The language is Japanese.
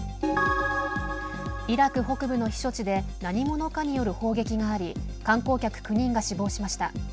イラク北部の避暑地で何者かによる砲撃があり観光客９人が死亡しました。